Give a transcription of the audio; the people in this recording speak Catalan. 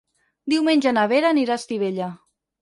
Diumenge na Vera anirà a Estivella.